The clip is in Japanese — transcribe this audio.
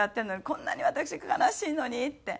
こんなに私悲しいのにって。